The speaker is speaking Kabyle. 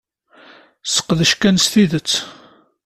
Sqedcen-ken s tidet.